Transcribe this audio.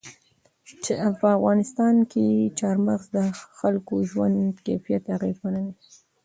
په افغانستان کې چار مغز د خلکو ژوند کیفیت اغېزمنوي.